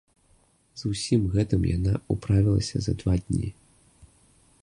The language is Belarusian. З усім гэтым яна ўправілася за два дні.